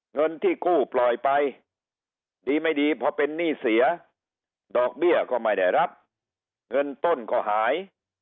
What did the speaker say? เงินที่กู้ปล่อยไปดีไม่ดีพอเป็นหนี้เสียดอกเบี้ยก็ไม่ได้รับเงินต้นก็หาย